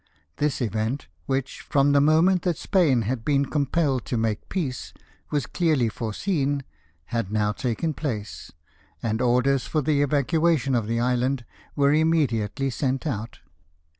This event, which, from the moment that Spain had been compelled to make peace, was clearly foreseen, had now taken place ; and orders for the evacuation of the island were immediately sent out.